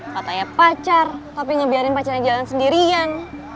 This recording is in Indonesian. katanya pacar tapi ngebiarin pacarnya jalan sendirian